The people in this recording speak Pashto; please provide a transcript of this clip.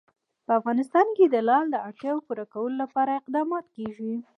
په افغانستان کې د لعل د اړتیاوو پوره کولو لپاره اقدامات کېږي.